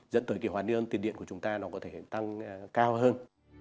dẫn tới cái hoạt niên tiền điện của chúng ta nó có thể tăng cao hơn